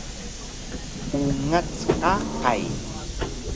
Ungac qaqay